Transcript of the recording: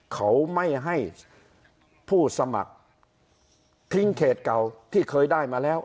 เขาไม่ให้ผู้สมัครทิ้งเขตเก่าที่เคยได้มาแล้ว